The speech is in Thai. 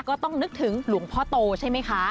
ก็ต้องนึกถึงหลวงพ่อโตใช่ไหมคะ